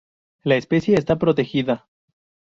La especie está protegida.